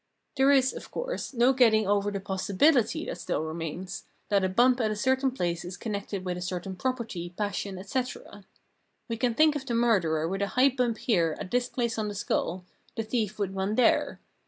There is, of course, no getting over the 'possibility that still remains, that a bump at a certain place is connected with a certain property, passion, etc. We can think of the murderer with a high bump here at this place on the skull, the thief with one there.